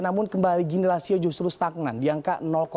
namun kembali gini rasio justru setaknan di angka empat ratus dua puluh empat